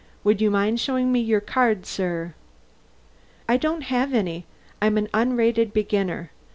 Would you mind showing me your card, sir?" "I don't have any. I'm an unrated beginner."